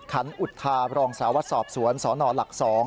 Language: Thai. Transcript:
ขันอุทาบรองสาววัดสอบสวนสนหลัก๒